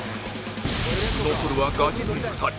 残るはガチ勢２人！